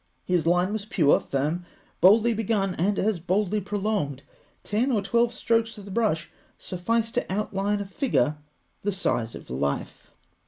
His line was pure, firm, boldly begun, and as boldly prolonged. Ten or twelve strokes of the brush sufficed to outline a figure the size of life.